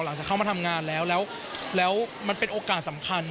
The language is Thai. หลังจากเข้ามาทำงานแล้วแล้วมันเป็นโอกาสสำคัญ